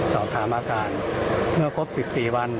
สอดธรรมการเมื่อครบ๑๔วัน